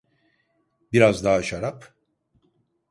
Biraz daha şarap?